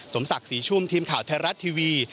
สมศักดิ์ศรีชุ่มทีมข่าวไทยรัฐทีวี